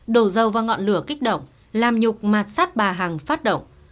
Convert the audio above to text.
đổ dầu vào ngọn lửa kích động làm nhục mạt sát bà hằng phát động